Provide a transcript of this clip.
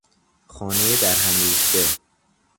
خانهی درهم ریخته